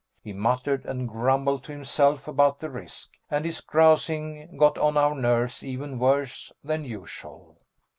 He muttered and grumbled to himself about the risk, and his grousing got on our nerves even worse than usual.